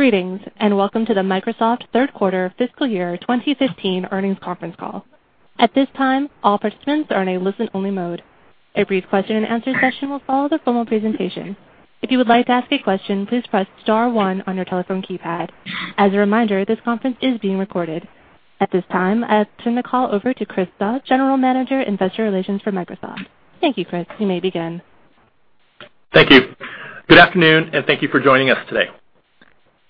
Greetings, welcome to the Microsoft third quarter fiscal year 2015 earnings conference call. At this time, all participants are in a listen-only mode. A brief question and answer session will follow the formal presentation. If you would like to ask a question, please press star one on your telephone keypad. As a reminder, this conference is being recorded. At this time, I turn the call over to Chris Suh, General Manager, Investor Relations for Microsoft. Thank you, Chris. You may begin. Thank you. Good afternoon, and thank you for joining us today.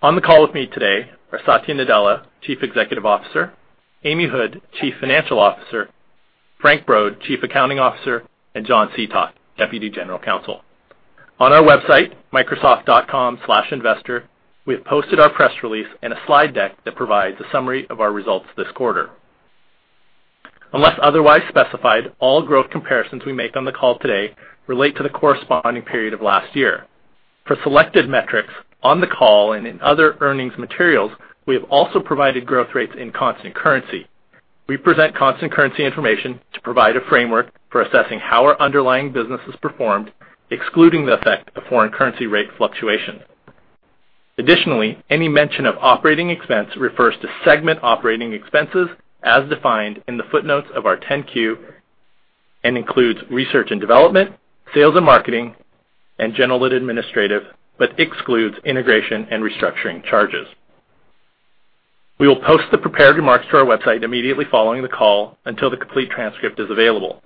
On the call with me today are Satya Nadella, Chief Executive Officer, Amy Hood, Chief Financial Officer, Frank Brod, Chief Accounting Officer, and John Seethoff, Deputy General Counsel. On our website, microsoft.com/investor, we have posted our press release and a slide deck that provides a summary of our results this quarter. Unless otherwise specified, all growth comparisons we make on the call today relate to the corresponding period of last year. For selected metrics on the call and in other earnings materials, we have also provided growth rates in constant currency. We present constant currency information to provide a framework for assessing how our underlying business has performed, excluding the effect of foreign currency rate fluctuation. Additionally, any mention of operating expense refers to segment operating expenses as defined in the footnotes of our 10-Q and includes research and development, sales and marketing, and general and administrative, but excludes integration and restructuring charges. We will post the prepared remarks to our website immediately following the call until the complete transcript is available.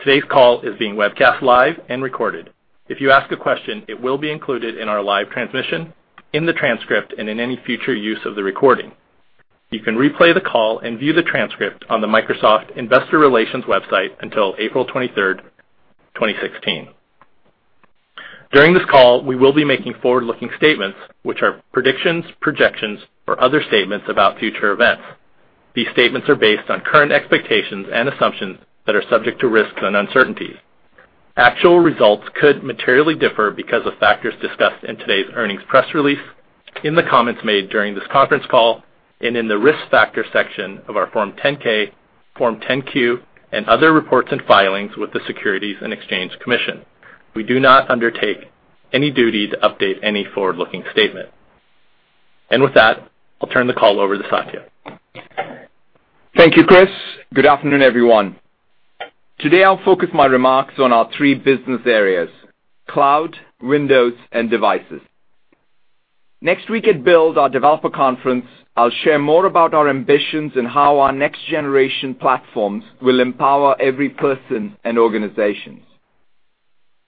Today's call is being webcast live and recorded. If you ask a question, it will be included in our live transmission, in the transcript, and in any future use of the recording. You can replay the call and view the transcript on the Microsoft Investor Relations website until April 23rd, 2016. During this call, we will be making forward-looking statements, which are predictions, projections, or other statements about future events. These statements are based on current expectations and assumptions that are subject to risks and uncertainties. Actual results could materially differ because of factors discussed in today's earnings press release, in the comments made during this conference call, and in the risk factor section of our Form 10-K, Form 10-Q, and other reports and filings with the Securities and Exchange Commission. We do not undertake any duty to update any forward-looking statement. With that, I'll turn the call over to Satya. Thank you, Chris. Good afternoon, everyone. Today, I'll focus my remarks on our three business areas, Cloud, Windows, and Devices. Next week at Microsoft Build, our developer conference, I'll share more about our ambitions and how our next-generation platforms will empower every person and organizations.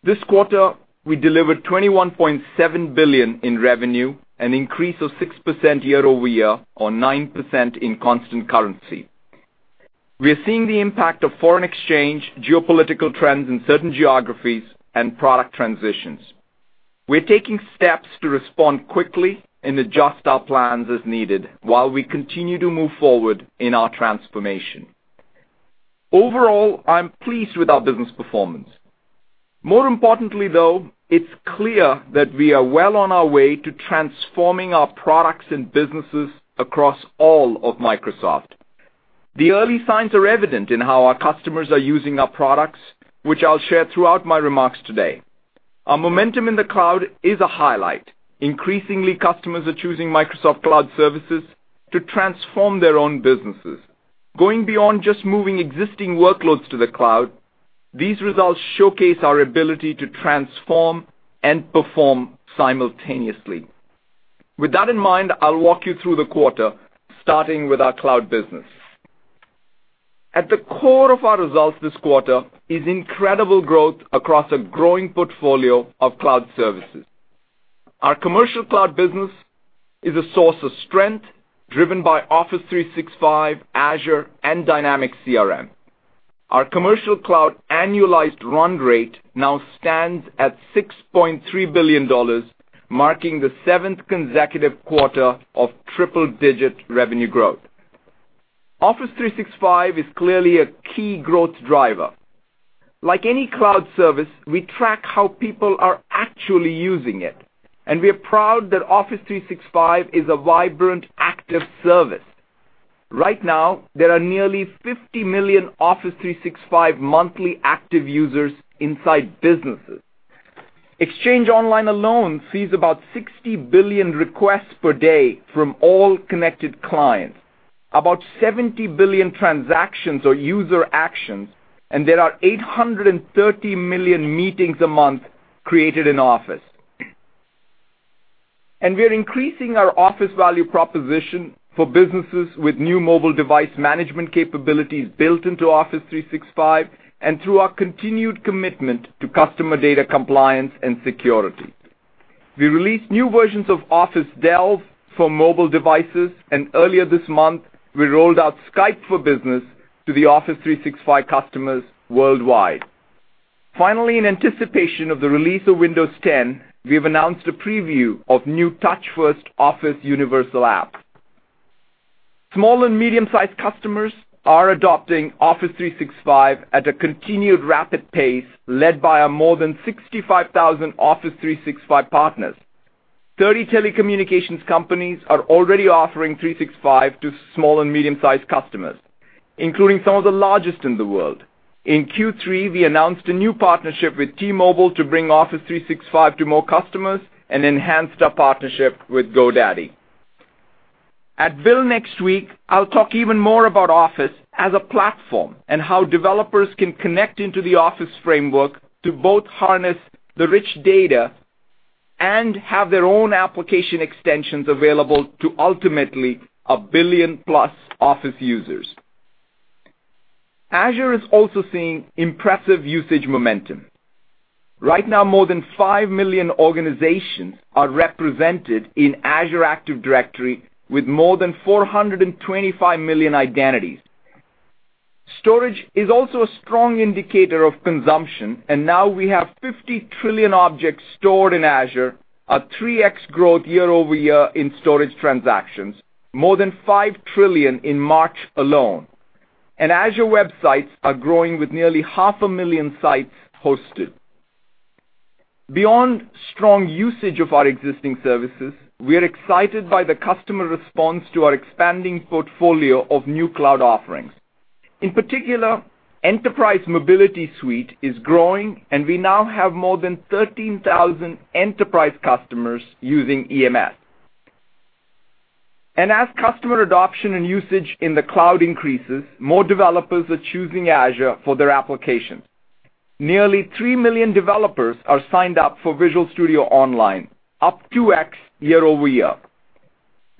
This quarter, we delivered $21.7 billion in revenue, an increase of 6% year-over-year or 9% in constant currency. We are seeing the impact of foreign exchange, geopolitical trends in certain geographies, and product transitions. We're taking steps to respond quickly and adjust our plans as needed while we continue to move forward in our transformation. Overall, I'm pleased with our business performance. More importantly, though, it's clear that we are well on our way to transforming our products and businesses across all of Microsoft. The early signs are evident in how our customers are using our products, which I'll share throughout my remarks today. Our momentum in the cloud is a highlight. Increasingly, customers are choosing Microsoft cloud services to transform their own businesses. Going beyond just moving existing workloads to the cloud, these results showcase our ability to transform and perform simultaneously. With that in mind, I'll walk you through the quarter, starting with our cloud business. At the core of our results this quarter is incredible growth across a growing portfolio of cloud services. Our commercial cloud business is a source of strength driven by Office 365, Azure, and Dynamics CRM. Our commercial cloud annualized run rate now stands at $6.3 billion, marking the seventh consecutive quarter of triple-digit revenue growth. Office 365 is clearly a key growth driver. Like any cloud service, we track how people are actually using it, and we are proud that Office 365 is a vibrant, active service. Right now, there are nearly 50 million Office 365 monthly active users inside businesses. Exchange Online alone sees about 60 billion requests per day from all connected clients, about 70 billion transactions or user actions, and there are 830 million meetings a month created in Office. We are increasing our Office value proposition for businesses with new mobile device management capabilities built into Office 365 and through our continued commitment to customer data compliance and security. We released new versions of Office Delve for mobile devices, and earlier this month, we rolled out Skype for Business to the Office 365 customers worldwide. Finally, in anticipation of the release of Windows 10, we have announced a preview of new touch-first Office universal apps. Small and medium-sized customers are adopting Office 365 at a continued rapid pace led by our more than 65,000 Office 365 partners. Thirty telecommunications companies are already offering 365 to small and medium-sized customers, including some of the largest in the world. In Q3, we announced a new partnership with T-Mobile to bring Office 365 to more customers and enhanced our partnership with GoDaddy. At Microsoft Build next week, I'll talk even more about Office as a platform and how developers can connect into the Office framework to both harness the rich data and have their own application extensions available to ultimately a billion-plus Office users. Azure is also seeing impressive usage momentum. Right now, more than five million organizations are represented in Azure Active Directory with more than 425 million identities. Storage is also a strong indicator of consumption, and now we have 50 trillion objects stored in Azure, a 3x growth year-over-year in storage transactions, more than five trillion in March alone. Azure websites are growing with nearly half a million sites hosted. Beyond strong usage of our existing services, we are excited by the customer response to our expanding portfolio of new cloud offerings. In particular, Enterprise Mobility Suite is growing, and we now have more than 13,000 enterprise customers using EMS. As customer adoption and usage in the cloud increases, more developers are choosing Azure for their applications. Nearly 3 million developers are signed up for Visual Studio Online, up 2x year-over-year.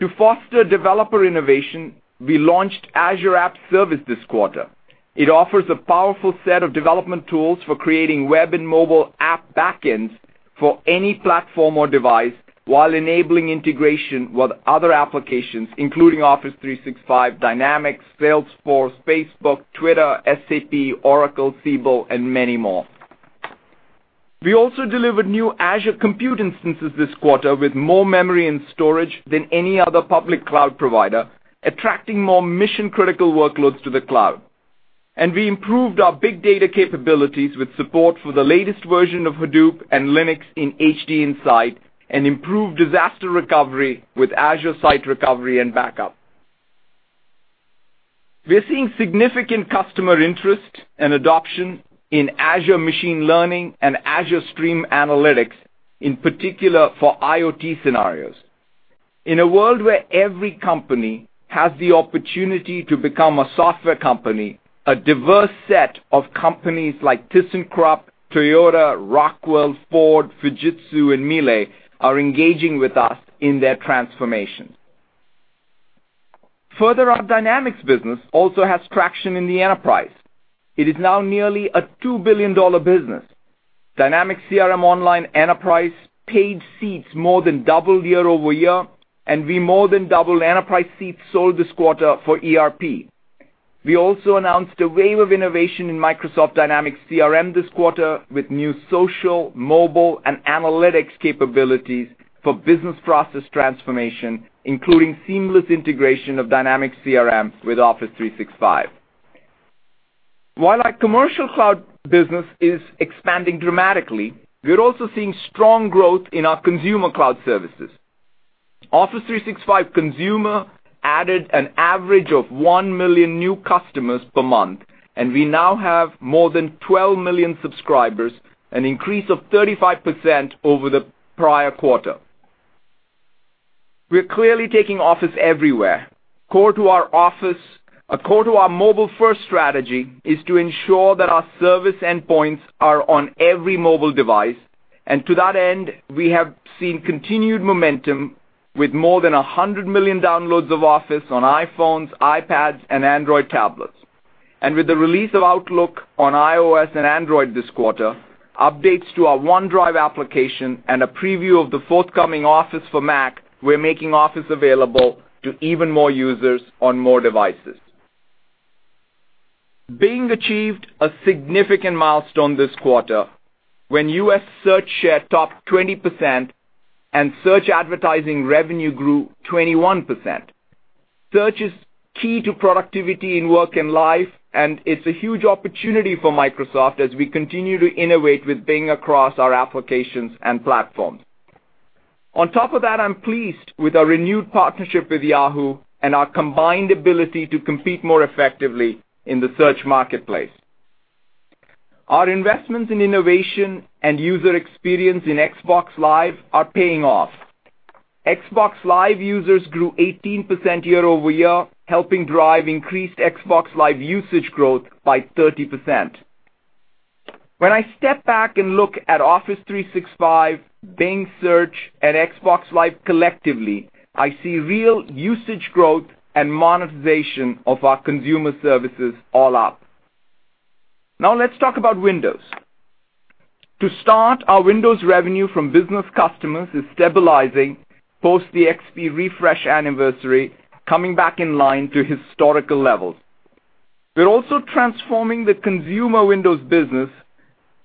To foster developer innovation, we launched Azure App Service this quarter. It offers a powerful set of development tools for creating web and mobile app backends for any platform or device while enabling integration with other applications, including Office 365, Dynamics, Salesforce, Facebook, Twitter, SAP, Oracle, Siebel, and many more. We also delivered new Azure compute instances this quarter with more memory and storage than any other public cloud provider, attracting more mission-critical workloads to the cloud. We improved our big data capabilities with support for the latest version of Hadoop and Linux in HDInsight and improved disaster recovery with Azure Site Recovery and Backup. We are seeing significant customer interest and adoption in Azure Machine Learning and Azure Stream Analytics, in particular for IoT scenarios. In a world where every company has the opportunity to become a software company, a diverse set of companies like Thyssenkrupp, Toyota, Rockwell, Ford, Fujitsu, and Miele are engaging with us in their transformation. Further, our Dynamics business also has traction in the enterprise. It is now nearly a $2 billion business. Dynamics CRM Online enterprise paid seats more than doubled year-over-year, we more than doubled enterprise seats sold this quarter for ERP. We also announced a wave of innovation in Microsoft Dynamics CRM this quarter with new social, mobile, and analytics capabilities for business process transformation, including seamless integration of Dynamics CRM with Office 365. While our commercial cloud business is expanding dramatically, we're also seeing strong growth in our consumer cloud services. Office 365 Consumer added an average of 1 million new customers per month, and we now have more than 12 million subscribers, an increase of 35% over the prior quarter. We are clearly taking Office everywhere. Core to our mobile-first strategy is to ensure that our service endpoints are on every mobile device. To that end, we have seen continued momentum with more than 100 million downloads of Office on iPhones, iPads, and Android tablets. With the release of Outlook on iOS and Android this quarter, updates to our OneDrive application, and a preview of the forthcoming Office for Mac, we're making Office available to even more users on more devices. Bing achieved a significant milestone this quarter when U.S. search share topped 20% and search advertising revenue grew 21%. Search is key to productivity in work and life, and it's a huge opportunity for Microsoft as we continue to innovate with Bing across our applications and platforms. On top of that, I'm pleased with our renewed partnership with Yahoo! and our combined ability to compete more effectively in the search marketplace. Our investments in innovation and user experience in Xbox Live are paying off. Xbox Live users grew 18% year-over-year, helping drive increased Xbox Live usage growth by 30%. When I step back and look at Office 365, Bing Search, and Xbox Live collectively, I see real usage growth and monetization of our consumer services all up. Now let's talk about Windows. To start, our Windows revenue from business customers is stabilizing post the XP refresh anniversary, coming back in line to historical levels. We're also transforming the consumer Windows business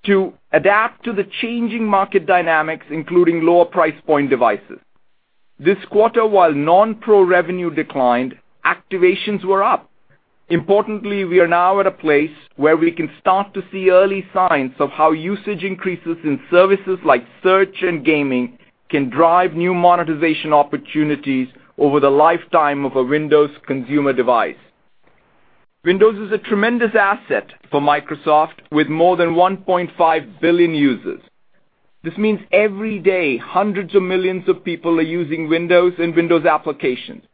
to adapt to the changing market dynamics, including lower price point devices. This quarter, while non-pro revenue declined, activations were up. Importantly, we are now at a place where we can start to see early signs of how usage increases in services like search and gaming can drive new monetization opportunities over the lifetime of a Windows consumer device. Windows is a tremendous asset for Microsoft with more than 1.5 billion users. This means every day, hundreds of millions of people are using Windows and Windows applications.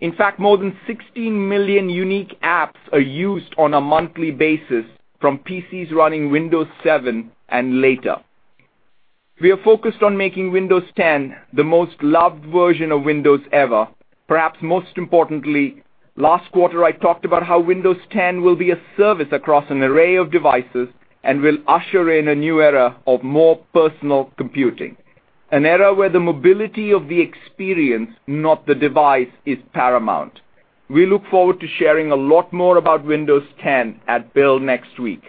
In fact, more than 16 million unique apps are used on a monthly basis from PCs running Windows 7 and later. We are focused on making Windows 10 the most loved version of Windows ever. Perhaps most importantly, last quarter, I talked about how Windows 10 will be a service across an array of devices and will usher in a new era of more personal computing, an era where the mobility of the experience, not the device, is paramount. We look forward to sharing a lot more about Windows 10 at Build next week.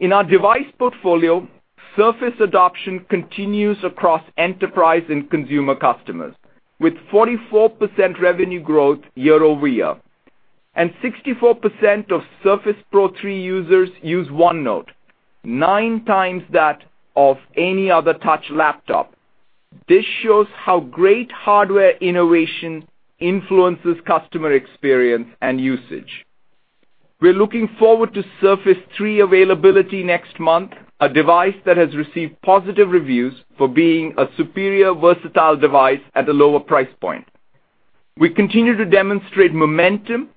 In our device portfolio, Surface adoption continues across enterprise and consumer customers, with 44% revenue growth year-over-year. 64% of Surface Pro 3 users use OneNote, nine times that of any other touch laptop. This shows how great hardware innovation influences customer experience and usage. We're looking forward to Surface 3 availability next month, a device that has received positive reviews for being a superior, versatile device at a lower price point. We continue to demonstrate momentum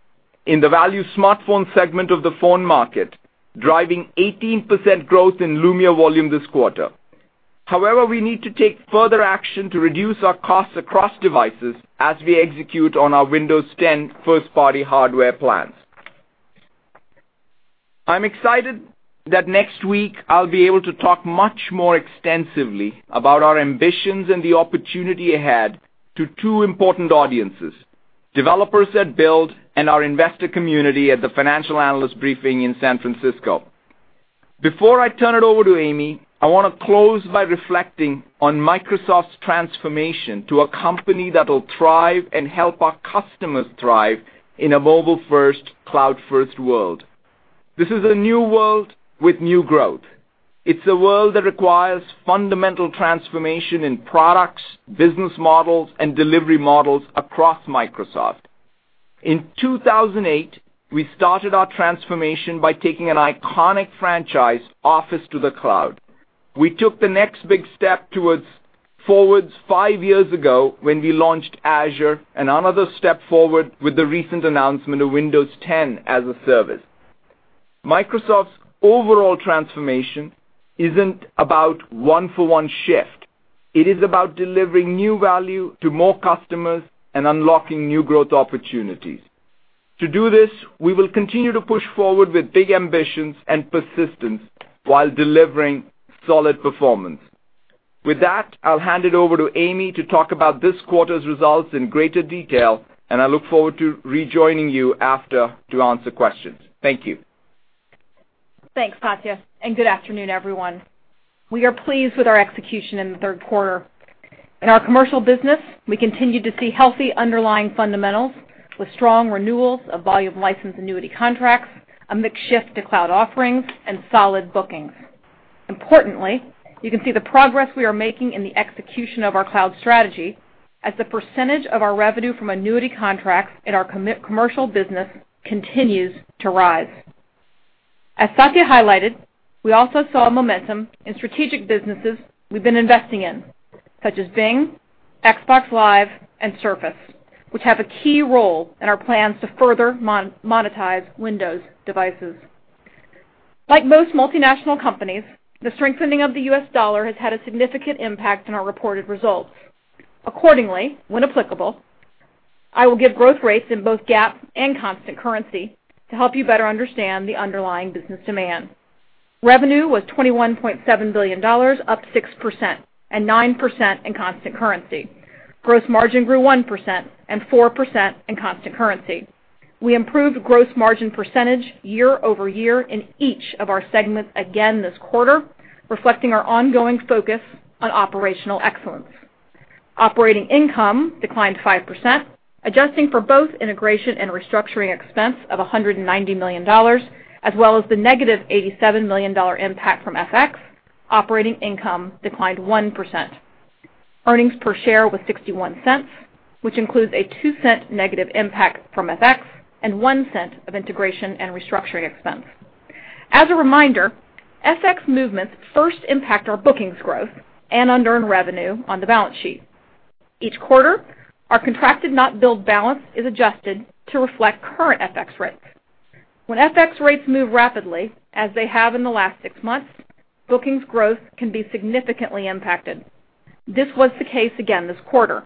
in the value smartphone segment of the phone market, driving 18% growth in Lumia volume this quarter. However, we need to take further action to reduce our costs across devices as we execute on our Windows 10 first-party hardware plans. I'm excited that next week, I'll be able to talk much more extensively about our ambitions and the opportunity ahead to two important audiences, developers at Build and our investor community at the financial analyst briefing in San Francisco. Before I turn it over to Amy, I want to close by reflecting on Microsoft's transformation to a company that will thrive and help our customers thrive in a mobile-first, cloud-first world. This is a new world with new growth. It's a world that requires fundamental transformation in products, business models, and delivery models across Microsoft. In 2008, we started our transformation by taking an iconic franchise, Office, to the cloud. We took the next big step forwards five years ago when we launched Azure, another step forward with the recent announcement of Windows 10 as a service. Microsoft's overall transformation isn't about one-for-one shift. It is about delivering new value to more customers and unlocking new growth opportunities. To do this, we will continue to push forward with big ambitions and persistence while delivering solid performance. With that, I'll hand it over to Amy to talk about this quarter's results in greater detail, I look forward to rejoining you after to answer questions. Thank you. Thanks, Satya, and good afternoon, everyone. We are pleased with our execution in the third quarter. In our commercial business, we continued to see healthy underlying fundamentals with strong renewals of volume license annuity contracts, a mixed shift to cloud offerings, and solid bookings. Importantly, you can see the progress we are making in the execution of our cloud strategy as the percentage of our revenue from annuity contracts in our commercial business continues to rise. As Satya highlighted, we also saw momentum in strategic businesses we've been investing in, such as Bing, Xbox Live, and Surface, which have a key role in our plans to further monetize Windows devices. Like most multinational companies, the strengthening of the U.S. dollar has had a significant impact on our reported results. When applicable, I will give growth rates in both GAAP and constant currency to help you better understand the underlying business demand. Revenue was $21.7 billion, up 6%, and 9% in constant currency. Gross margin grew 1% and 4% in constant currency. We improved gross margin percentage year-over-year in each of our segments again this quarter, reflecting our ongoing focus on operational excellence. Operating income declined 5%, adjusting for both integration and restructuring expense of $190 million, as well as the negative $87 million impact from FX, operating income declined 1%. Earnings per share was $0.61, which includes a $0.02 negative impact from FX and $0.01 of integration and restructuring expense. As a reminder, FX movements first impact our bookings growth and unearned revenue on the balance sheet. Each quarter, our contracted not build balance is adjusted to reflect current FX rates. When FX rates move rapidly, as they have in the last six months, bookings growth can be significantly impacted. This was the case again this quarter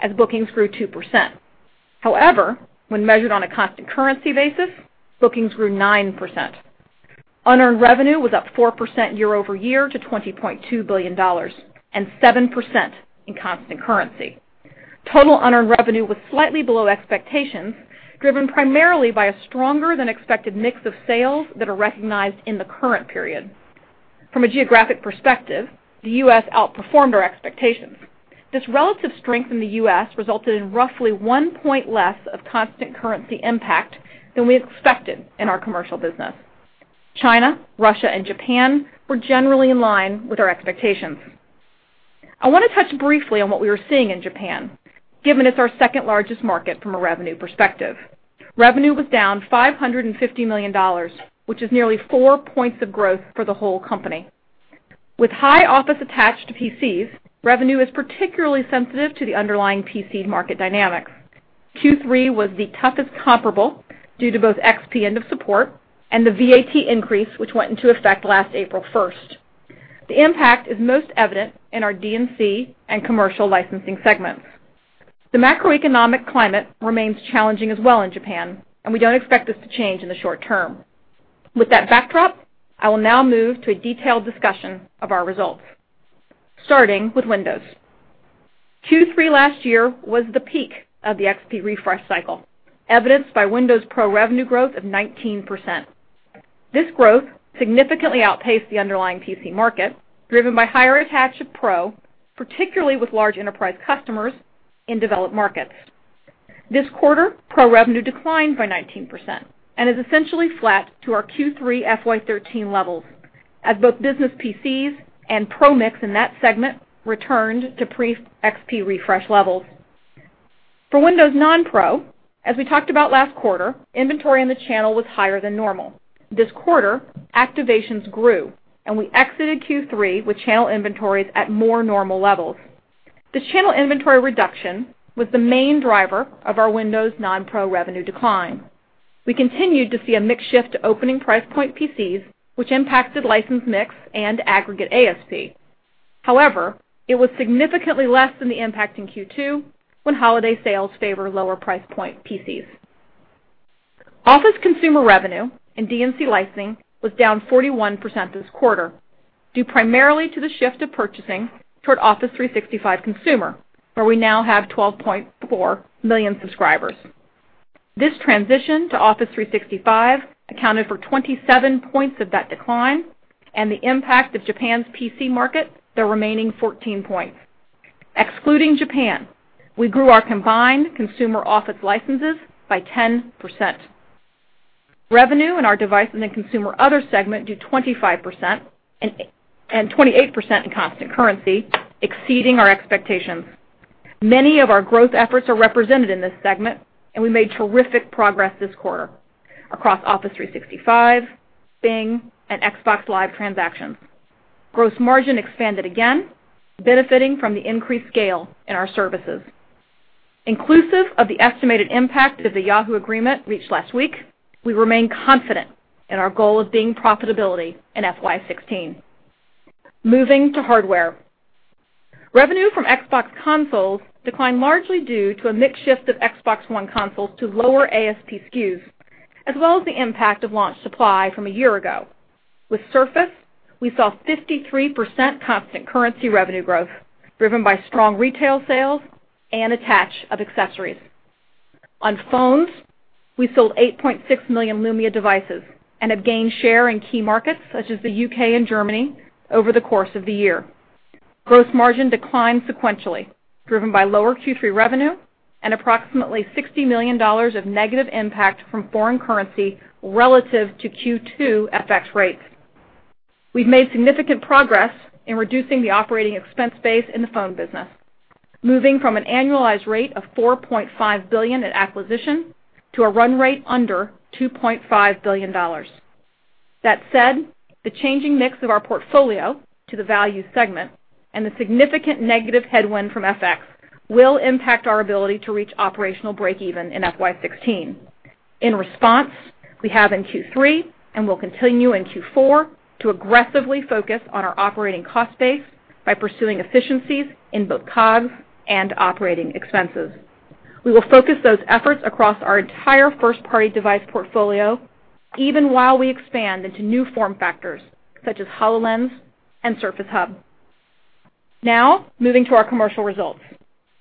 as bookings grew 2%. However, when measured on a constant currency basis, bookings grew 9%. Unearned revenue was up 4% year-over-year to $20.2 billion and 7% in constant currency. Total unearned revenue was slightly below expectations, driven primarily by a stronger than expected mix of sales that are recognized in the current period. From a geographic perspective, the U.S. outperformed our expectations. This relative strength in the U.S. resulted in roughly one point less of constant currency impact than we had expected in our commercial business. China, Russia, and Japan were generally in line with our expectations. I want to touch briefly on what we are seeing in Japan, given it's our second largest market from a revenue perspective. Revenue was down $550 million, which is nearly four points of growth for the whole company. With high Office attached to PCs, revenue is particularly sensitive to the underlying PC market dynamics. Q3 was the toughest comparable due to both XP end of support and the VAT increase, which went into effect last April 1st. The impact is most evident in our D&C and commercial licensing segments. The macroeconomic climate remains challenging as well in Japan, and we don't expect this to change in the short term. With that backdrop, I will now move to a detailed discussion of our results, starting with Windows. Q3 last year was the peak of the XP refresh cycle, evidenced by Windows Pro revenue growth of 19%. This growth significantly outpaced the underlying PC market, driven by higher attach of Pro, particularly with large enterprise customers in developed markets. This quarter, Pro revenue declined by 19% and is essentially flat to our Q3 FY 2013 levels as both business PCs and Pro mix in that segment returned to pre-XP refresh levels. For Windows non-Pro, as we talked about last quarter, inventory in the channel was higher than normal. This quarter, activations grew, and we exited Q3 with channel inventories at more normal levels. The channel inventory reduction was the main driver of our Windows non-Pro revenue decline. We continued to see a mix shift to opening price point PCs, which impacted license mix and aggregate ASP. However, it was significantly less than the impact in Q2 when holiday sales favor lower price point PCs. Office Consumer revenue and D&C licensing was down 41% this quarter, due primarily to the shift of purchasing toward Office 365 Consumer, where we now have 12.4 million subscribers. This transition to Office 365 accounted for 27 points of that decline and the impact of Japan's PC market, the remaining 14 points. Excluding Japan, we grew our combined consumer Office licenses by 10%. Revenue in our device and consumer other segment grew 25% and 28% in constant currency, exceeding our expectations. Many of our growth efforts are represented in this segment, and we made terrific progress this quarter across Office 365, Bing, and Xbox Live transactions. Gross margin expanded again, benefiting from the increased scale in our services. Inclusive of the estimated impact of the Yahoo agreement reached last week, we remain confident in our goal of being profitability in FY 2016. Moving to hardware. Revenue from Xbox consoles declined largely due to a mix shift of Xbox One consoles to lower ASP SKUs, as well as the impact of launch supply from a year ago. With Surface, we saw 53% constant currency revenue growth, driven by strong retail sales and attach of accessories. On phones, we sold 8.6 million Lumia devices and have gained share in key markets such as the U.K. and Germany over the course of the year. Gross margin declined sequentially, driven by lower Q3 revenue and approximately $60 million of negative impact from foreign currency relative to Q2 FX rates. We've made significant progress in reducing the operating expense base in the phone business, moving from an annualized rate of $4.5 billion at acquisition to a run rate under $2.5 billion. That said, the changing mix of our portfolio to the value segment and the significant negative headwind from FX will impact our ability to reach operational breakeven in FY 2016. In response, we have in Q3 and will continue in Q4 to aggressively focus on our operating cost base by pursuing efficiencies in both COGS and operating expenses. We will focus those efforts across our entire first-party device portfolio, even while we expand into new form factors such as HoloLens and Surface Hub. Now, moving to our commercial results,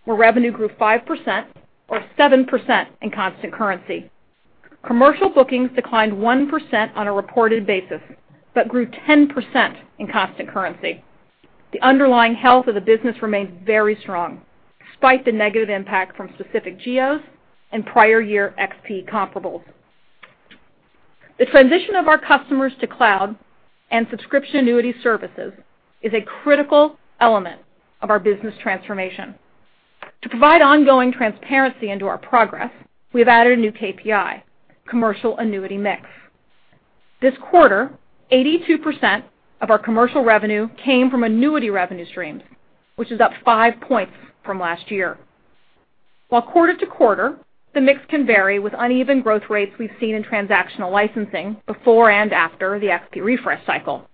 where revenue grew 5% or 7% in constant currency. Commercial bookings declined 1% on a reported basis, but grew 10% in constant currency. The underlying health of the business remains very strong, despite the negative impact from specific geos and prior year XP comparables. The transition of our customers to cloud and subscription annuity services is a critical element of our business transformation. To provide ongoing transparency into our progress, we've added a new KPI, commercial annuity mix. This quarter, 82% of our commercial revenue came from annuity revenue streams, which is up five points from last year. While quarter to quarter, the mix can vary with uneven growth rates we've seen in transactional licensing before and after the XP refresh cycle.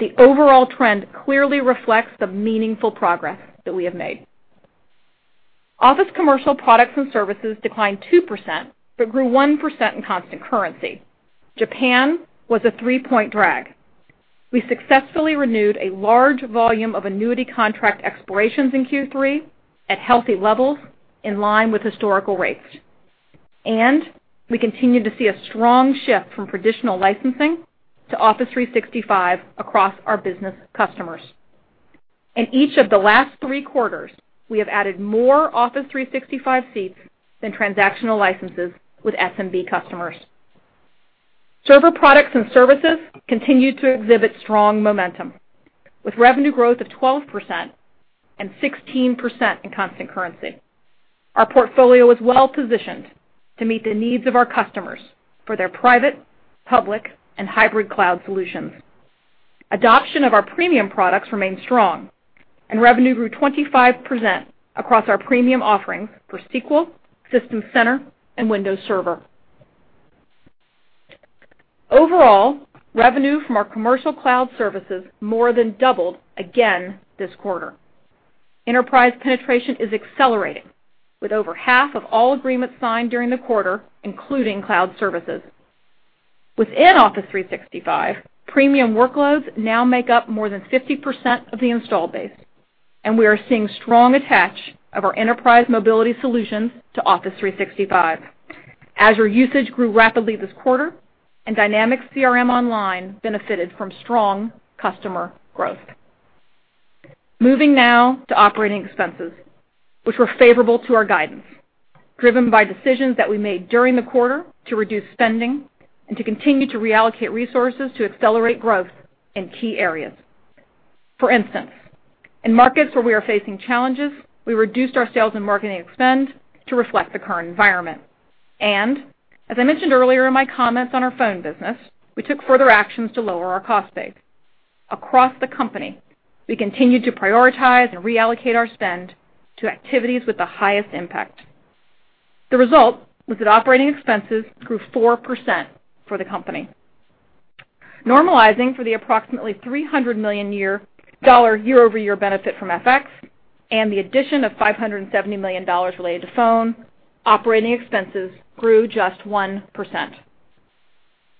The overall trend clearly reflects the meaningful progress that we have made. Office commercial products and services declined 2% but grew 1% in constant currency. Japan was a three-point drag. We successfully renewed a large volume of annuity contract expirations in Q3 at healthy levels in line with historical rates. We continue to see a strong shift from traditional licensing to Office 365 across our business customers. In each of the last three quarters, we have added more Office 365 seats than transactional licenses with SMB customers. Server products and services continued to exhibit strong momentum, with revenue growth of 12% and 16% in constant currency. Our portfolio is well positioned to meet the needs of our customers for their private, public, and hybrid cloud solutions. Adoption of our premium products remains strong, and revenue grew 25% across our premium offerings for SQL, System Center, and Windows Server. Overall, revenue from our commercial cloud services more than doubled again this quarter. Enterprise penetration is accelerating, with over half of all agreements signed during the quarter including cloud services. Within Office 365, premium workloads now make up more than 50% of the install base, and we are seeing strong attach of our enterprise mobility solutions to Office 365. Azure usage grew rapidly this quarter, and Dynamics CRM Online benefited from strong customer growth. Moving now to operating expenses, which were favorable to our guidance, driven by decisions that we made during the quarter to reduce spending and to continue to reallocate resources to accelerate growth in key areas. For instance, in markets where we are facing challenges, we reduced our sales and marketing expense to reflect the current environment. As I mentioned earlier in my comments on our phone business, we took further actions to lower our cost base. Across the company, we continued to prioritize and reallocate our spend to activities with the highest impact. The result was that operating expenses grew 4% for the company. Normalizing for the approximately $300 million year-over-year benefit from FX and the addition of $570 million related to phone, operating expenses grew just 1%.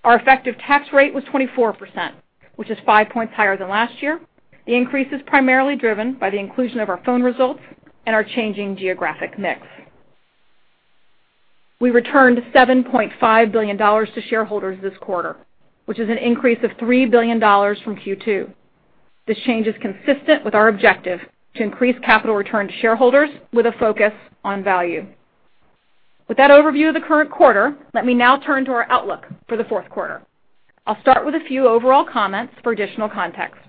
Our effective tax rate was 24%, which is five points higher than last year. The increase is primarily driven by the inclusion of our phone results and our changing geographic mix. We returned $7.5 billion to shareholders this quarter, which is an increase of $3 billion from Q2. This change is consistent with our objective to increase capital return to shareholders with a focus on value. With that overview of the current quarter, let me now turn to our outlook for the fourth quarter. I'll start with a few overall comments for additional context.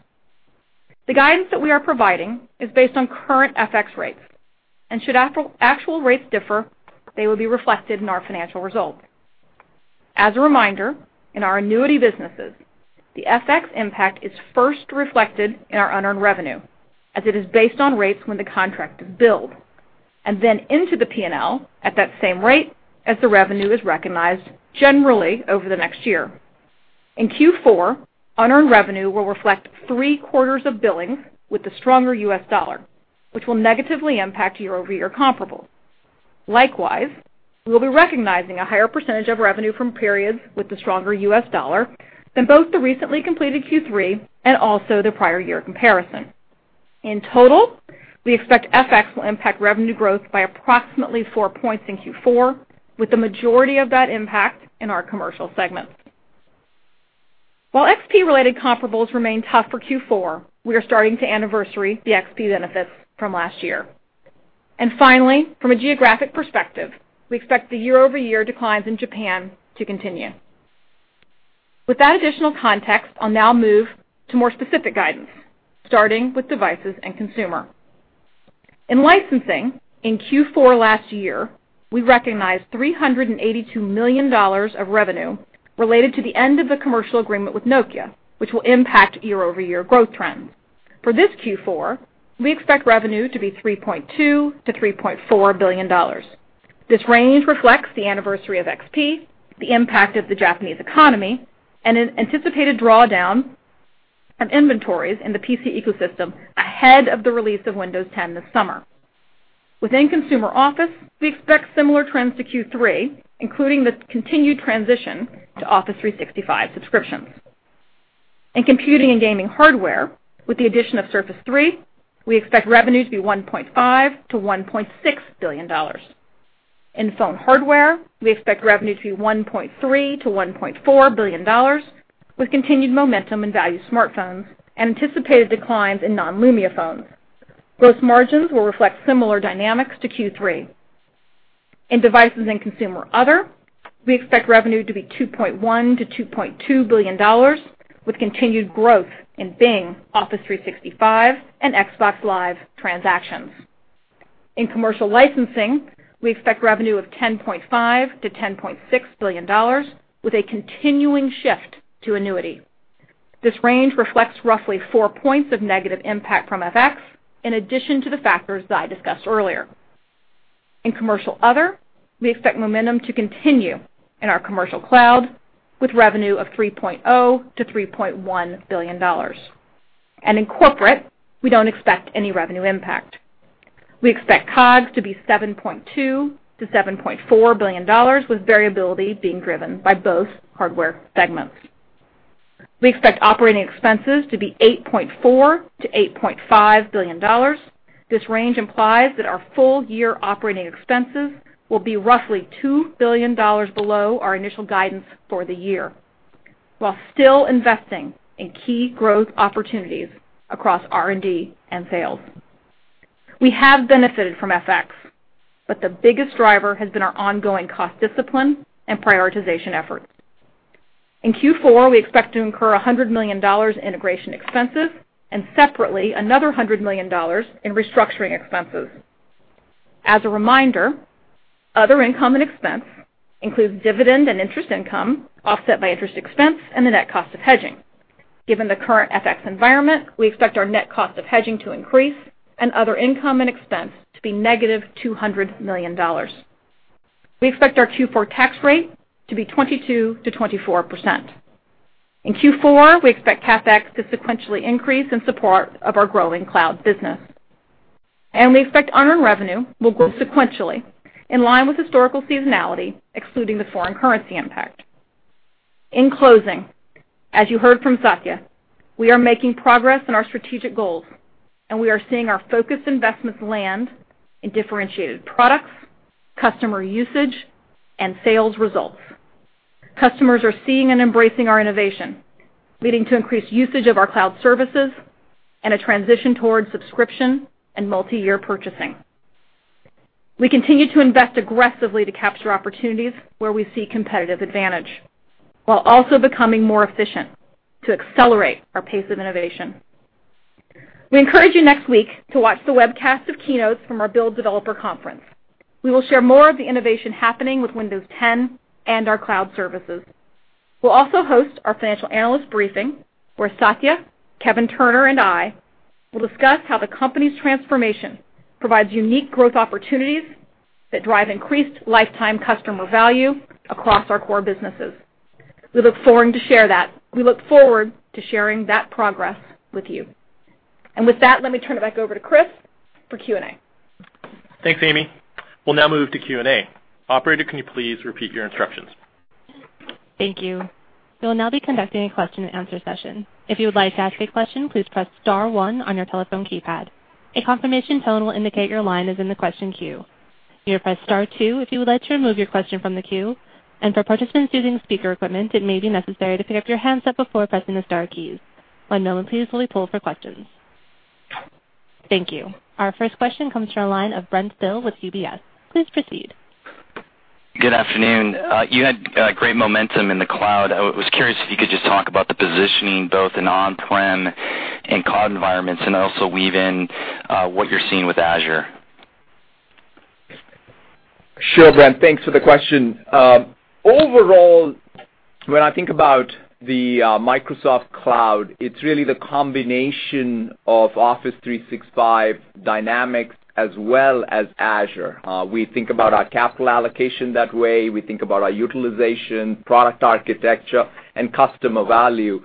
The guidance that we are providing is based on current FX rates, and should actual rates differ, they will be reflected in our financial results. As a reminder, in our annuity businesses, the FX impact is first reflected in our unearned revenue, as it is based on rates when the contract is billed, and then into the P&L at that same rate as the revenue is recognized generally over the next year. In Q4, unearned revenue will reflect three quarters of billing with the stronger U.S. dollar, which will negatively impact year-over-year comparables. Likewise, we'll be recognizing a higher percentage of revenue from periods with the stronger U.S. dollar than both the recently completed Q3 and also the prior year comparison. In total, we expect FX will impact revenue growth by approximately four points in Q4, with the majority of that impact in our commercial segments. While XP-related comparables remain tough for Q4, we are starting to anniversary the XP benefits from last year. Finally, from a geographic perspective, we expect the year-over-year declines in Japan to continue. With that additional context, I'll now move to more specific guidance, starting with devices and consumer. In licensing, in Q4 last year, we recognized $382 million of revenue related to the end of the commercial agreement with Nokia, which will impact year-over-year growth trends. For this Q4, we expect revenue to be $3.2 billion-$3.4 billion. This range reflects the anniversary of XP, the impact of the Japanese economy, and an anticipated drawdown of inventories in the PC ecosystem ahead of the release of Windows 10 this summer. Within Consumer Office, we expect similar trends to Q3, including the continued transition to Office 365 subscriptions. In computing and gaming hardware, with the addition of Surface 3, we expect revenue to be $1.5 billion-$1.6 billion. In phone hardware, we expect revenue to be $1.3 billion-$1.4 billion, with continued momentum in value smartphones and anticipated declines in non-Lumia phones. Gross margins will reflect similar dynamics to Q3. In devices and consumer other, we expect revenue to be $2.1 billion-$2.2 billion, with continued growth in Bing, Office 365, and Xbox Live transactions. In commercial licensing, we expect revenue of $10.5 billion-$10.6 billion, with a continuing shift to annuity. This range reflects roughly four points of negative impact from FX, in addition to the factors that I discussed earlier. In commercial other, we expect momentum to continue in our commercial cloud, with revenue of $3.0 billion-$3.1 billion. In corporate, we don't expect any revenue impact. We expect COGS to be $7.2 billion-$7.4 billion, with variability being driven by both hardware segments. We expect operating expenses to be $8.4 billion-$8.5 billion. This range implies that our full year operating expenses will be roughly $2 billion below our initial guidance for the year, while still investing in key growth opportunities across R&D and sales. We have benefited from FX, but the biggest driver has been our ongoing cost discipline and prioritization efforts. In Q4, we expect to incur $100 million in integration expenses and separately another $100 million in restructuring expenses. As a reminder, other income and expense includes dividend and interest income offset by interest expense and the net cost of hedging. Given the current FX environment, we expect our net cost of hedging to increase and other income and expense to be negative $200 million. We expect our Q4 tax rate to be 22%-24%. In Q4, we expect CapEx to sequentially increase in support of our growing cloud business. We expect unearned revenue will grow sequentially in line with historical seasonality, excluding the foreign currency impact. In closing, as you heard from Satya, we are making progress in our strategic goals and we are seeing our focused investments land in differentiated products, customer usage, and sales results. Customers are seeing and embracing our innovation, leading to increased usage of our cloud services and a transition towards subscription and multi-year purchasing. We continue to invest aggressively to capture opportunities where we see competitive advantage, while also becoming more efficient to accelerate our pace of innovation. We encourage you next week to watch the webcast of keynotes from our Build Developer Conference. We will share more of the innovation happening with Windows 10 and our cloud services. We'll also host our financial analyst briefing, where Satya, Kevin Turner, and I will discuss how the company's transformation provides unique growth opportunities that drive increased lifetime customer value across our core businesses. We look forward to sharing that progress with you. With that, let me turn it back over to Chris for Q&A. Thanks, Amy. We'll now move to Q&A. Operator, can you please repeat your instructions? Thank you. We will now be conducting a question and answer session. If you would like to ask a question, please press star one on your telephone keypad. A confirmation tone will indicate your line is in the question queue. You press star two if you would like to remove your question from the queue, and for participants using speaker equipment, it may be necessary to pick up your handset before pressing the star keys. One moment please while we poll for questions. Thank you. Our first question comes from the line of Brent Thill with UBS. Please proceed. Good afternoon. You had great momentum in the cloud. I was curious if you could just talk about the positioning, both in on-prem and cloud environments, and also weave in what you're seeing with Azure. Sure, Brent, thanks for the question. Overall, when I think about the Microsoft cloud, it's really the combination of Office 365, Dynamics, as well as Azure. We think about our capital allocation that way, we think about our utilization, product architecture, and customer value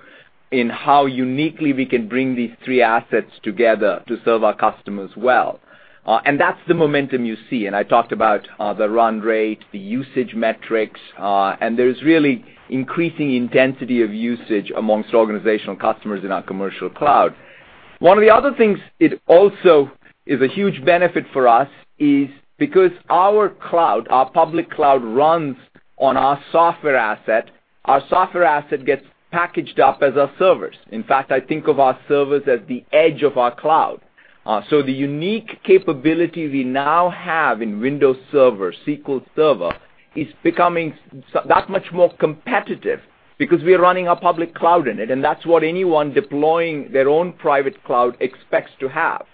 in how uniquely we can bring these three assets together to serve our customers well. That's the momentum you see. I talked about the run rate, the usage metrics, and there's really increasing intensity of usage amongst organizational customers in our commercial cloud. One of the other things it also is a huge benefit for us is because our cloud, our public cloud runs on our software asset, our software asset gets packaged up as our servers. In fact, I think of our servers as the edge of our cloud. The unique capability we now have in Windows Server, SQL Server, is becoming that much more competitive because we are running our public cloud in it, and that's what anyone deploying their own private cloud expects to have.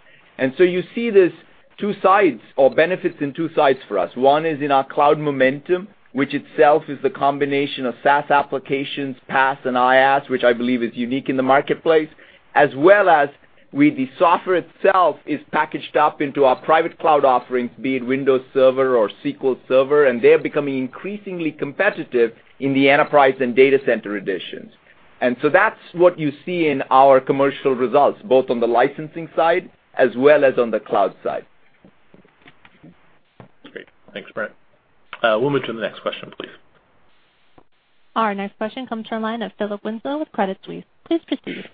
You see these two sides or benefits in two sides for us. One is in our cloud momentum, which itself is the combination of SaaS applications, PaaS, and IaaS, which I believe is unique in the marketplace, as well as with the software itself is packaged up into our private cloud offerings, be it Windows Server or SQL Server, and they're becoming increasingly competitive in the enterprise and data center editions. That's what you see in our commercial results, both on the licensing side as well as on the cloud side. Great. Thanks, Brent. We'll move to the next question, please. Our next question comes from the line of Philip Winslow with Credit Suisse. Please proceed.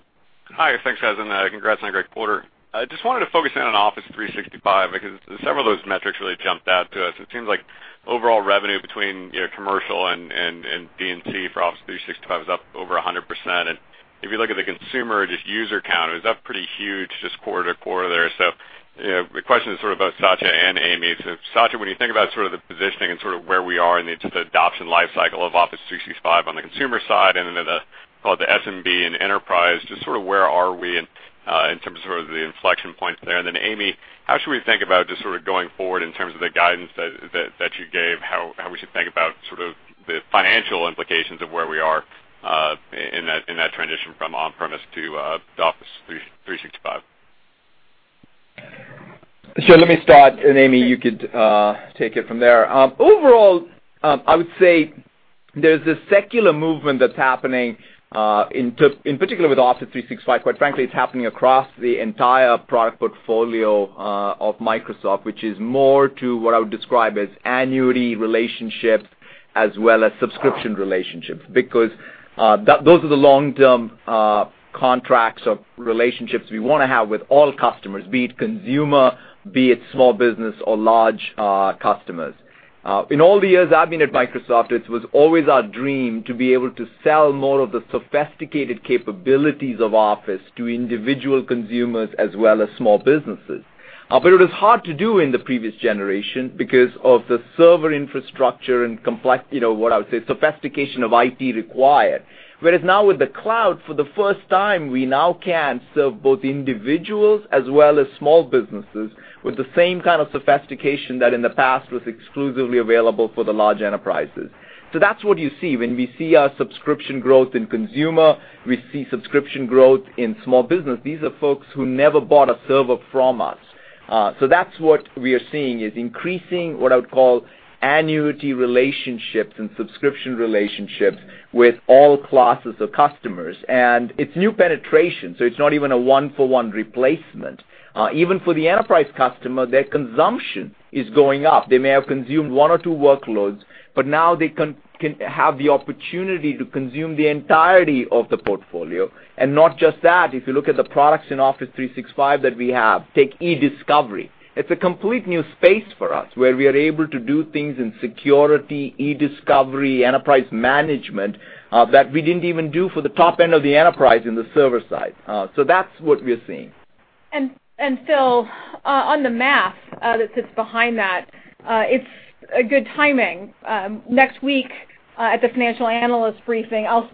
Hi, thanks guys, and congrats on a great quarter. I just wanted to focus in on Office 365 because several of those metrics really jumped out to us. It seems like overall revenue between commercial and D&C for Office 365 is up over 100%. If you look at the consumer, just user count, it was up pretty huge just quarter to quarter there. The question is about Satya and Amy. Satya, when you think about the positioning and where we are in the adoption life cycle of Office 365 on the consumer side and then the SMB and enterprise, just where are we in terms of the inflection points there? Amy, how should we think about just going forward in terms of the guidance that you gave, how we should think about the financial implications of where we are in that transition from on-premise to Office 365? Sure. Let me start, and Amy, you could take it from there. Overall, I would say there's a secular movement that's happening in particular with Office 365. Quite frankly, it's happening across the entire product portfolio of Microsoft, which is more to what I would describe as annuity relationships as well as subscription relationships. Those are the long-term contracts of relationships we want to have with all customers, be it consumer, be it small business or large customers. In all the years I've been at Microsoft, it was always our dream to be able to sell more of the sophisticated capabilities of Office to individual consumers as well as small businesses. It was hard to do in the previous generation because of the server infrastructure and what I would say, sophistication of IT required. Now with the cloud, for the first time, we now can serve both individuals as well as small businesses with the same kind of sophistication that in the past was exclusively available for the large enterprises. That's what you see when we see our subscription growth in consumer, we see subscription growth in small business. These are folks who never bought a server from us. That's what we are seeing, is increasing what I would call annuity relationships and subscription relationships with all classes of customers. It's new penetration, so it's not even a one-for-one replacement. Even for the enterprise customer, their consumption is going up. They may have consumed one or two workloads, but now they can have the opportunity to consume the entirety of the portfolio. Not just that, if you look at the products in Office 365 that we have, take eDiscovery. It's a complete new space for us, where we are able to do things in security, eDiscovery, enterprise management, that we didn't even do for the top end of the enterprise in the server side. That's what we're seeing. Phil, on the math that sits behind that, it's a good timing. Next week, at the financial analyst briefing, I'll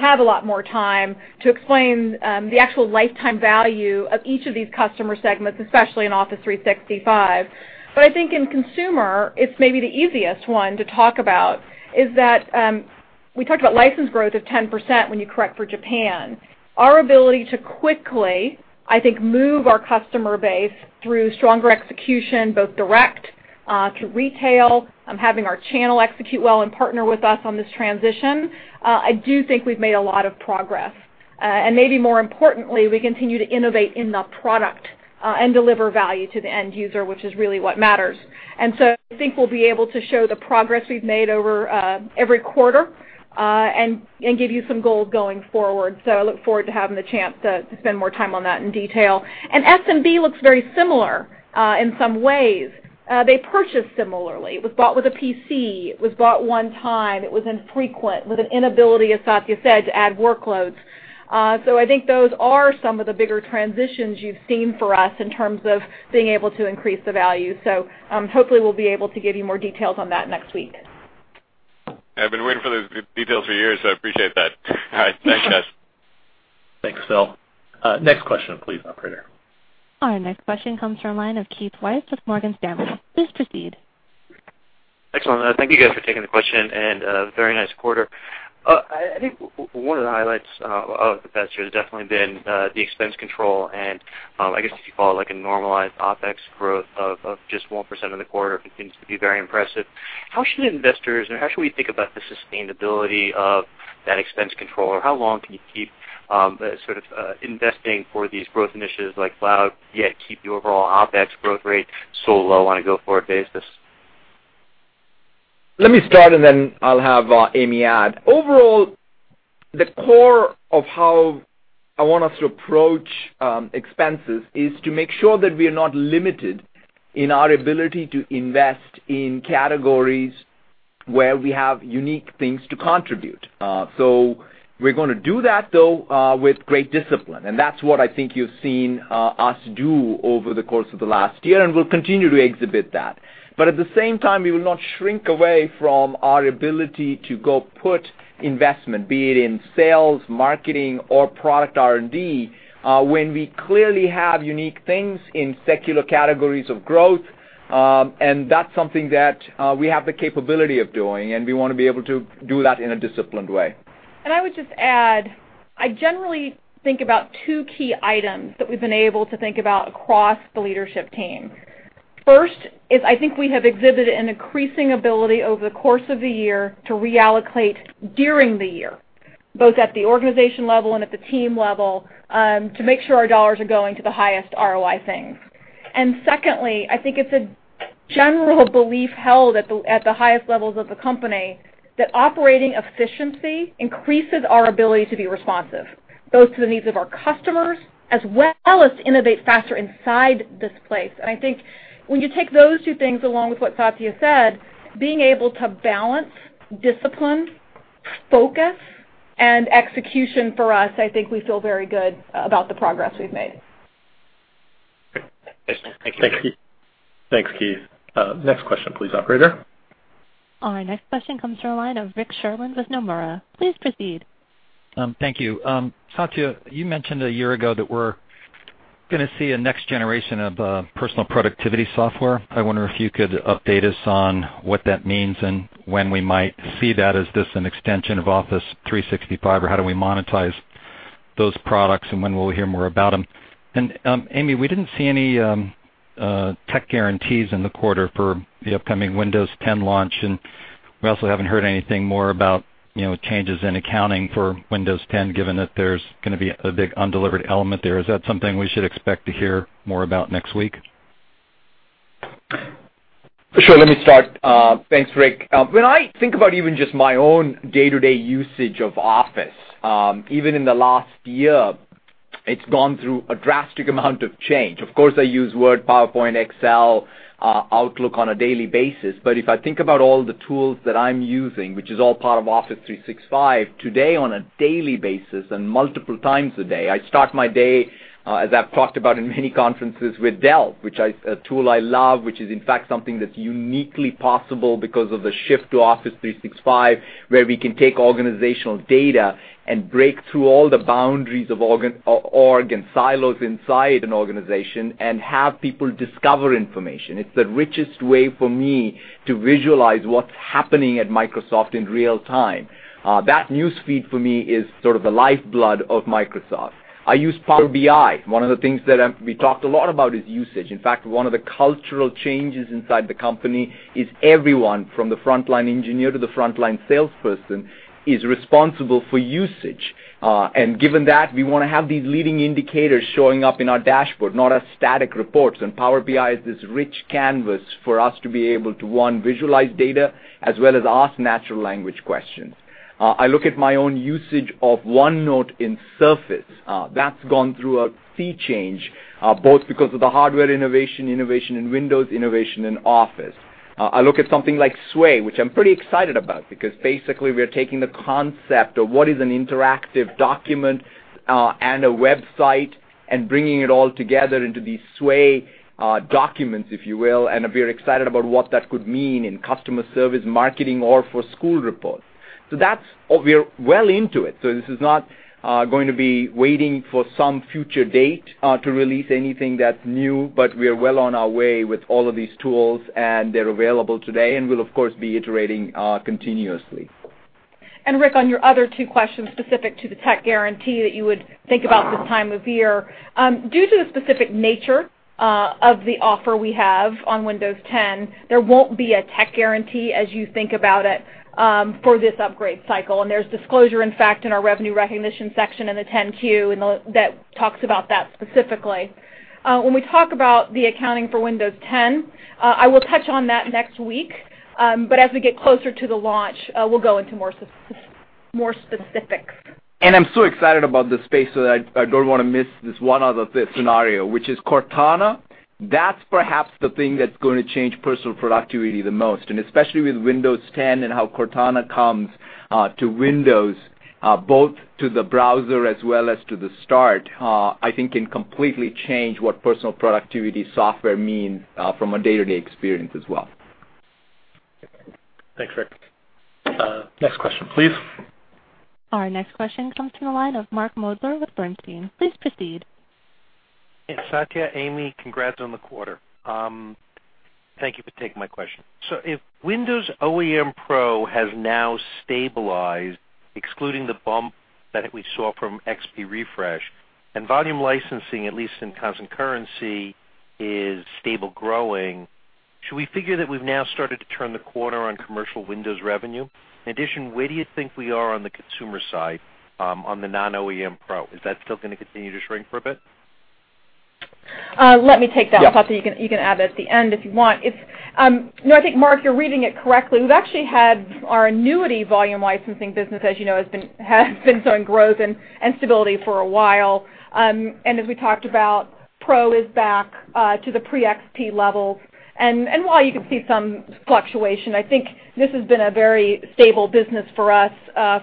have a lot more time to explain the actual lifetime value of each of these customer segments, especially in Office 365. I think in consumer, it's maybe the easiest one to talk about, is that we talked about license growth of 10% when you correct for Japan. Our ability to quickly, I think, move our customer base through stronger execution, both direct to retail and having our channel execute well and partner with us on this transition, I do think we've made a lot of progress. Maybe more importantly, we continue to innovate in the product, and deliver value to the end user, which is really what matters. I think we'll be able to show the progress we've made over every quarter, and give you some goals going forward. I look forward to having the chance to spend more time on that in detail. SMB looks very similar in some ways. They purchase similarly. It was bought with a PC. It was bought one time. It was infrequent with an inability, as Satya said, to add workloads. I think those are some of the bigger transitions you've seen from us in terms of being able to increase the value. Hopefully, we'll be able to give you more details on that next week. I've been waiting for those details for years, so I appreciate that. All right. Thanks, guys. Thanks, Phil. Next question please, operator. Our next question comes from line of Keith Weiss with Morgan Stanley. Please proceed. Excellent. Thank you guys for taking the question, and very nice quarter. I think one of the highlights of the past year has definitely been the expense control and, I guess if you follow, like a normalized OpEx growth of just 1% of the quarter. It continues to be very impressive. How should we think about the sustainability of that expense control? Or how long can you keep sort of investing for these growth initiatives like cloud, yet keep your overall OpEx growth rate so low on a go-forward basis? Let me start, then I'll have Amy add. Overall, the core of how I want us to approach expenses is to make sure that we are not limited in our ability to invest in categories where we have unique things to contribute. We're going to do that, though, with great discipline, that's what I think you've seen us do over the course of the last year, we'll continue to exhibit that. At the same time, we will not shrink away from our ability to go put investment, be it in sales, marketing, or product R&D, when we clearly have unique things in secular categories of growth. That's something that we have the capability of doing, we want to be able to do that in a disciplined way. I would just add, I generally think about two key items that we've been able to think about across the leadership team. First is, I think we have exhibited an increasing ability over the course of the year to reallocate during the year, both at the organization level and at the team level, to make sure our dollars are going to the highest ROI things. Secondly, I think it's a general belief held at the highest levels of the company that operating efficiency increases our ability to be responsive, both to the needs of our customers as well as to innovate faster inside this place. I think when you take those two things along with what Satya said, being able to balance discipline, focus, and execution for us, I think we feel very good about the progress we've made. Great. Thanks. Thanks, Keith. Next question please, operator. Our next question comes to the line of Rick Sherlund with Nomura. Please proceed. Thank you. Satya, you mentioned a year ago that we're going to see a next generation of personal productivity software. I wonder if you could update us on what that means and when we might see that. Is this an extension of Office 365, or how do we monetize those products, and when will we hear more about them? Amy, we didn't see any tech guarantees in the quarter for the upcoming Windows 10 launch, and we also haven't heard anything more about changes in accounting for Windows 10, given that there's going to be a big undelivered element there. Is that something we should expect to hear more about next week? Sure. Let me start. Thanks, Rick. When I think about even just my own day-to-day usage of Office, even in the last year, it's gone through a drastic amount of change. Of course, I use Word, PowerPoint, Excel Outlook on a daily basis. If I think about all the tools that I'm using, which is all part of Office 365, today on a daily basis and multiple times a day, I start my day, as I've talked about in many conferences, with Delve, which a tool I love, which is in fact something that's uniquely possible because of the shift to Office 365, where we can take organizational data and break through all the boundaries of org and silos inside an organization and have people discover information. It's the richest way for me to visualize what's happening at Microsoft in real time. That newsfeed for me is sort of the lifeblood of Microsoft. I use Power BI. One of the things that we talked a lot about is usage. In fact, one of the cultural changes inside the company is everyone, from the frontline engineer to the frontline salesperson, is responsible for usage. Given that, we want to have these leading indicators showing up in our dashboard, not as static reports. Power BI is this rich canvas for us to be able to, one, visualize data, as well as ask natural language questions. I look at my own usage of OneNote in Surface. That's gone through a sea change, both because of the hardware innovation in Windows, innovation in Office. I look at something like Sway, which I'm pretty excited about, because basically we are taking the concept of what is an interactive document and a website and bringing it all together into these Sway documents, if you will. We're excited about what that could mean in customer service, marketing, or for school reports. We are well into it. This is not going to be waiting for some future date to release anything that's new, but we are well on our way with all of these tools, and they're available today, and we'll of course be iterating continuously. Rick, on your other two questions specific to the tech guarantee that you would think about this time of year, due to the specific nature of the offer we have on Windows 10, there won't be a tech guarantee as you think about it for this upgrade cycle, and there's disclosure, in fact, in our revenue recognition section in the 10-Q that talks about that specifically. When we talk about the accounting for Windows 10, I will touch on that next week, but as we get closer to the launch, we'll go into more specifics. I'm so excited about this space so that I don't want to miss this one other scenario, which is Cortana. That's perhaps the thing that's going to change personal productivity the most, especially with Windows 10 and how Cortana comes to Windows, both to the browser as well as to the start, I think can completely change what personal productivity software means from a day-to-day experience as well. Thanks, Rick. Next question, please. Our next question comes to the line of Mark Moerdler with Bernstein. Please proceed. Satya, Amy, congrats on the quarter. Thank you for taking my question. If Windows OEM Pro has now stabilized, excluding the bump that we saw from XP refresh, and volume licensing, at least in constant currency, is stable growing, should we figure that we've now started to turn the corner on commercial Windows revenue? In addition, where do you think we are on the consumer side, on the non-OEM Pro? Is that still going to continue to shrink for a bit? Let me take that one. Yes. Satya, you can add at the end if you want. I think, Mark, you're reading it correctly. We've actually had our annuity volume licensing business, as you know, has been showing growth and stability for a while. As we talked about, Pro is back to the pre-XP levels. While you can see some fluctuation, I think this has been a very stable business for us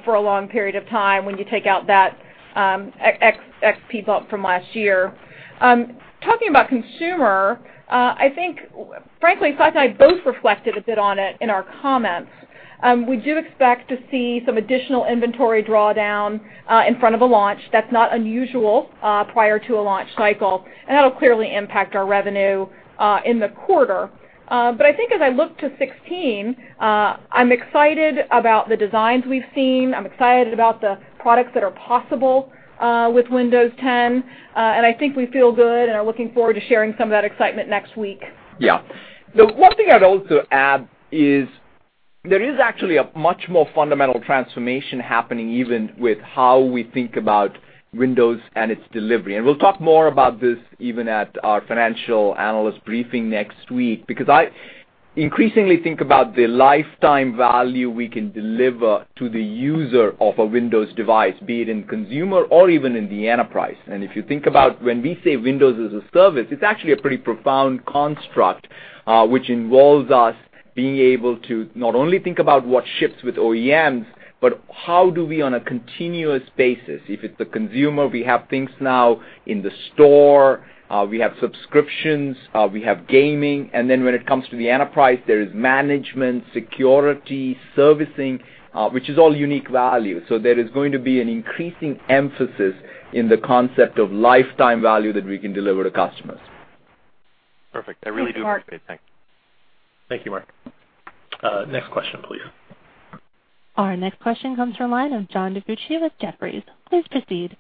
for a long period of time when you take out that XP bump from last year. Talking about consumer, I think, frankly, Satya and I both reflected a bit on it in our comments. We do expect to see some additional inventory drawdown in front of a launch. That's not unusual prior to a launch cycle, and that'll clearly impact our revenue in the quarter. I think as I look to FY 2016, I'm excited about the designs we've seen. I'm excited about the products that are possible with Windows 10. I think we feel good and are looking forward to sharing some of that excitement next week. Yeah. The one thing I'd also add is there is actually a much more fundamental transformation happening even with how we think about Windows and its delivery. We'll talk more about this even at our financial analyst briefing next week, because I increasingly think about the lifetime value we can deliver to the user of a Windows device, be it in consumer or even in the enterprise. If you think about when we say Windows is a service, it's actually a pretty profound construct, which involves us being able to not only think about what ships with OEMs, but how do we on a continuous basis, if it's the consumer, we have things now in the store, we have subscriptions, we have gaming, and then when it comes to the enterprise, there is management, security, servicing, which is all unique value. There is going to be an increasing emphasis in the concept of lifetime value that we can deliver to customers. Perfect. I really do appreciate it. Thanks. Thanks, Mark. Thank you, Mark. Next question, please. Our next question comes from the line of John DiFucci with Jefferies. Please proceed.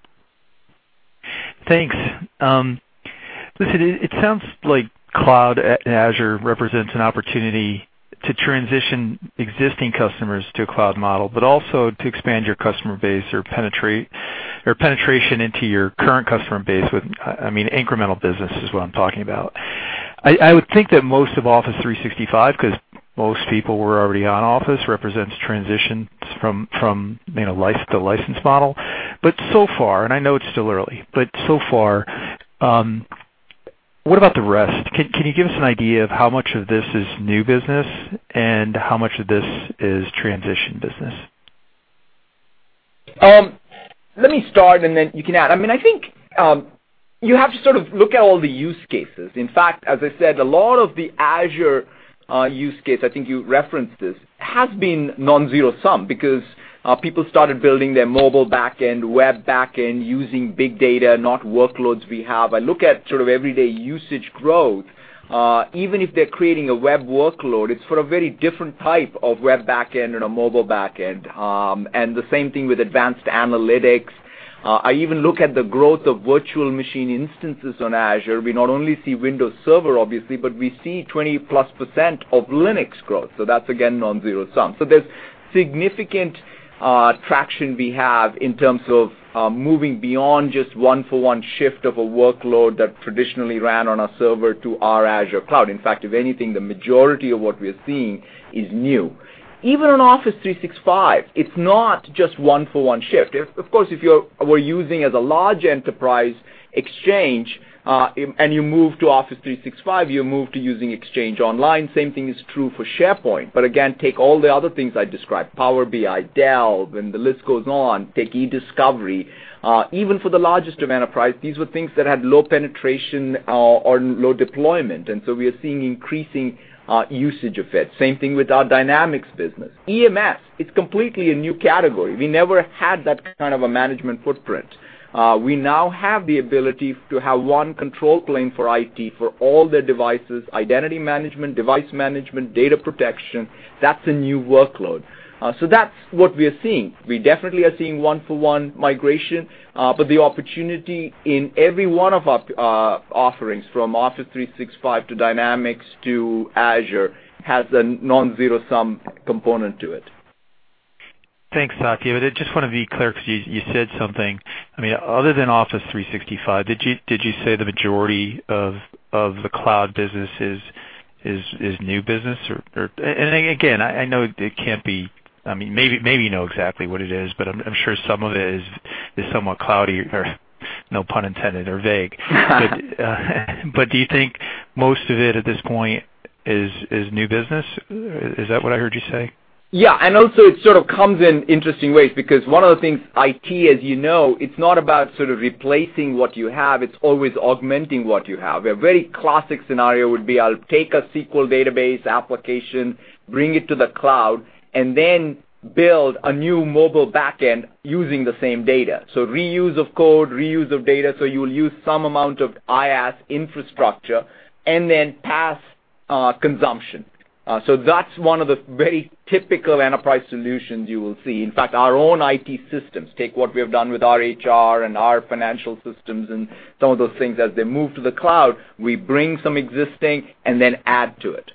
Thanks. Listen, it sounds like cloud Azure represents an opportunity to transition existing customers to a cloud model, but also to expand your customer base or penetration into your current customer base with, I mean, incremental business is what I'm talking about. I would think that most of Office 365, Most people were already on Office, represents transitions from the license model. So far, and I know it's still early, but so far, what about the rest? Can you give us an idea of how much of this is new business and how much of this is transition business? Let me start, and then you can add. I think you have to sort of look at all the use cases. In fact, as I said, a lot of the Azure use case, I think you referenced this, has been non-zero-sum because people started building their mobile backend, web backend using big data, not workloads we have. I look at sort of everyday usage growth. Even if they're creating a web workload, it's for a very different type of web backend and a mobile backend. The same thing with advanced analytics. I even look at the growth of virtual machine instances on Azure. We not only see Windows Server, obviously, but we see 20-plus% of Linux growth. That's again, non-zero-sum. There's significant traction we have in terms of moving beyond just one-for-one shift of a workload that traditionally ran on a server to our Azure cloud. In fact, if anything, the majority of what we are seeing is new. Even on Office 365, it's not just one-for-one shift. Of course, if you were using as a large enterprise Exchange, and you move to Office 365, you move to using Exchange Online. Same thing is true for SharePoint. Again, take all the other things I described, Power BI, Delve, and the list goes on, take eDiscovery. Even for the largest of enterprise, these were things that had low penetration or low deployment, we are seeing increasing usage of it. Same thing with our Dynamics business. EMS, it's completely a new category. We never had that kind of a management footprint. We now have the ability to have one control plane for IT for all the devices, identity management, device management, data protection. That's a new workload. That's what we are seeing. We definitely are seeing one-for-one migration, but the opportunity in every one of our offerings, from Office 365 to Dynamics to Azure, has a non-zero-sum component to it. Thanks, Satya. I just want to be clear because you said something. Other than Office 365, did you say the majority of the cloud business is new business? Again, I know it can't be, maybe you know exactly what it is, but I'm sure some of it is somewhat cloudy, no pun intended, or vague. Do you think most of it at this point is new business? Is that what I heard you say? Yeah, also it sort of comes in interesting ways because one of the things, IT, as you know, it's not about sort of replacing what you have, it's always augmenting what you have. A very classic scenario would be I'll take a SQL database application, bring it to the cloud, and then build a new mobile backend using the same data. Reuse of code, reuse of data. You'll use some amount of IaaS infrastructure and then PaaS consumption. That's one of the very typical enterprise solutions you will see. In fact, our own IT systems, take what we have done with our HR and our financial systems and some of those things as they move to the cloud, we bring some existing and then add to it.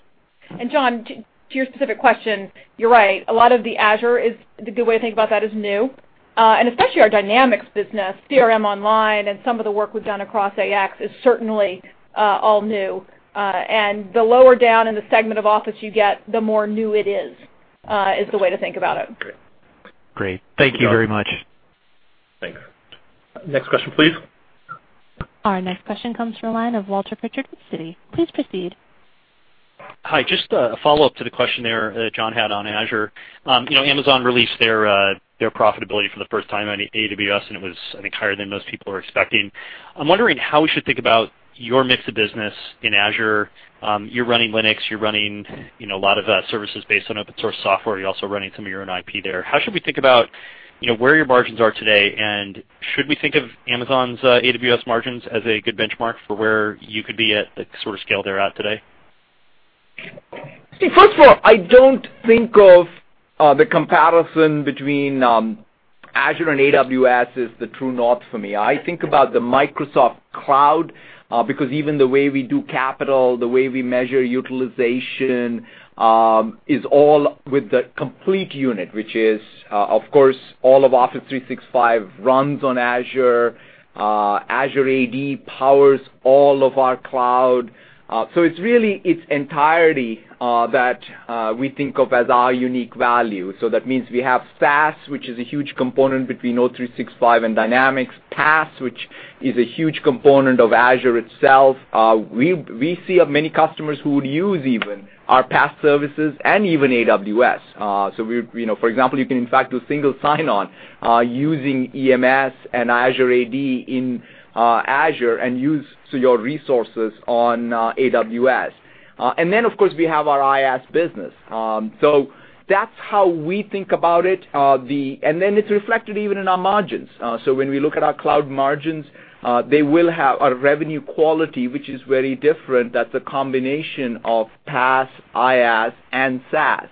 John, to your specific question, you're right. A lot of the Azure is, the good way to think about that is new. Especially our Dynamics business, CRM Online, and some of the work we've done across AX is certainly all new. The lower down in the segment of Office you get, the more new it is the way to think about it. Great. Thank you very much. Thanks. Next question, please. Our next question comes from the line of Walter Pritchard with Citi. Please proceed. Hi, just a follow-up to the question there that John had on Azure. Amazon released their profitability for the first time on AWS, and it was, I think, higher than most people were expecting. I'm wondering how we should think about your mix of business in Azure. You're running Linux, you're running a lot of services based on open-source software. You're also running some of your own IP there. How should we think about where your margins are today, and should we think of Amazon's AWS margins as a good benchmark for where you could be at the sort of scale they're at today? See, first of all, I don't think of the comparison between Azure and AWS as the true north for me. I think about the Microsoft cloud, because even the way we do capital, the way we measure utilization, is all with the complete unit, which is, of course, all of Office 365 runs on Azure. Azure AD powers all of our cloud. It's really its entirety that we think of as our unique value. That means we have SaaS, which is a huge component between O365 and Dynamics, PaaS, which is a huge component of Azure itself. We see many customers who would use even our PaaS services and even AWS. For example, you can in fact do single sign-on using EMS and Azure AD in Azure and use your resources on AWS. Then, of course, we have our IaaS business. That's how we think about it. Then it's reflected even in our margins. When we look at our cloud margins, they will have a revenue quality which is very different. That's a combination of PaaS, IaaS, and SaaS.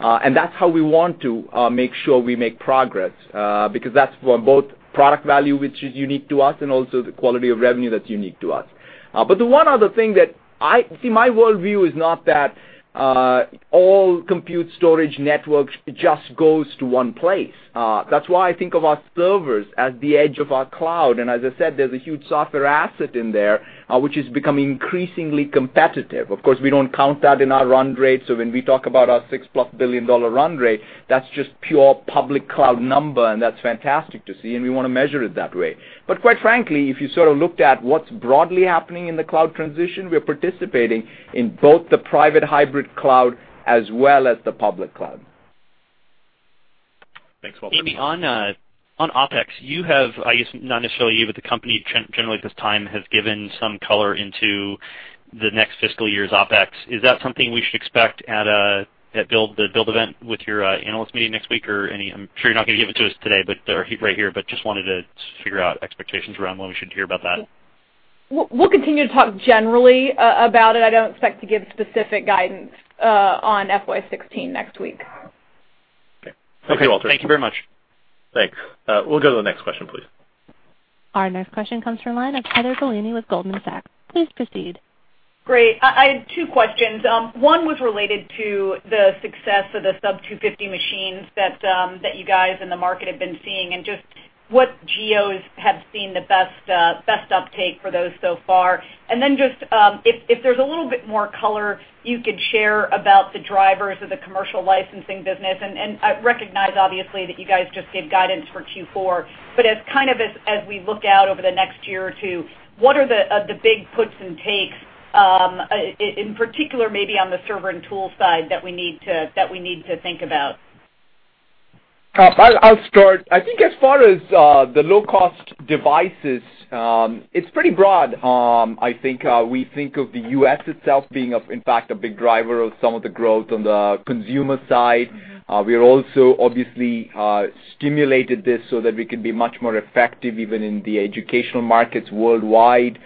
That's how we want to make sure we make progress, because that's for both product value, which is unique to us, and also the quality of revenue that's unique to us. The one other thing, my worldview is not that all compute storage networks just goes to one place. That's why I think of our servers as the edge of our cloud. As I said, there's a huge software asset in there, which is becoming increasingly competitive. Of course, we don't count that in our run rate, when we talk about our $6-plus billion run rate, that's just pure public cloud number, that's fantastic to see, we want to measure it that way. Quite frankly, if you sort of looked at what's broadly happening in the cloud transition, we are participating in both the private hybrid cloud as well as the public cloud. Thanks, Walter. Amy, on OpEx, you have, I guess not necessarily you, but the company generally at this time has given some color into the next fiscal year's OpEx. Is that something we should expect at the Microsoft Build event with your analysts meeting next week? I'm sure you're not going to give it to us today or right here, just wanted to figure out expectations around when we should hear about that. We'll continue to talk generally about it. I don't expect to give specific guidance on FY 2016 next week. Okay. Thank you, Walter. Thank you very much. Thanks. We'll go to the next question, please. Our next question comes from the line of Heather Bellini with Goldman Sachs. Please proceed. Great. I had two questions. One was related to the success of the sub 250 machines that you guys in the market have been seeing, and just what geos have seen the best uptake for those so far. Just if there's a little bit more color you could share about the drivers of the commercial licensing business, and I recognize obviously that you guys just gave guidance for Q4, but as we look out over the next year or two, what are the big puts and takes, in particular, maybe on the server and tools side that we need to think about? I'll start. I think as far as the low-cost devices, it's pretty broad. I think we think of the U.S. itself being, in fact, a big driver of some of the growth on the consumer side. We have also obviously stimulated this so that we can be much more effective even in the educational markets worldwide.